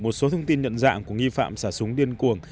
một số thông tin nhận dạng của nghi phạm xả súng điên cuồng